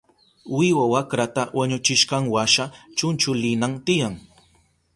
Wiwa wakrata wañuchishkanwasha chunchulinan tiyan.